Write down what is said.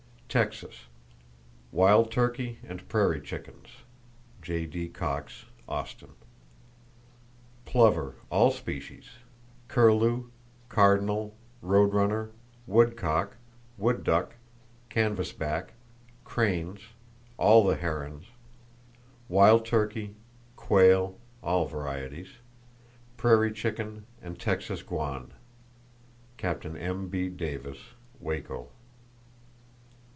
Texas: Wild turkey and prairie chickens.—(J.D. Cox, Austin.) Plover, all species; curlew, cardinal, road runner, woodcock, wood duck, canvas back, cranes, all the herons; wild turkey; quail, all varieties; prairie chicken and Texas guan.—(Capt. M.B. Davis, Waco.)